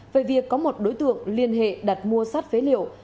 về việc có một đối tượng liên hệ đặt mua sắt phế liệu